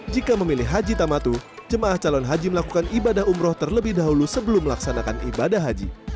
jika memilih haji tamatu jemaah calon haji melakukan ibadah umroh terlebih dahulu sebelum melaksanakan ibadah haji